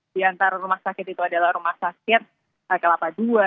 diantara rumah sakit itu adalah rumah sakit kelapa ii